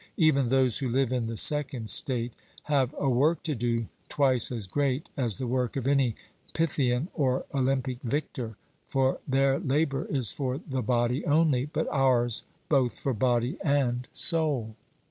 Even those who live in the second state have a work to do twice as great as the work of any Pythian or Olympic victor; for their labour is for the body only, but ours both for body and soul.